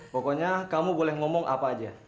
pokoknya kamu boleh ngomong apa aja